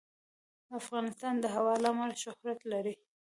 افغانستان د هوا له امله شهرت لري.